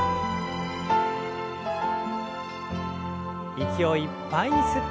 息をいっぱいに吸って。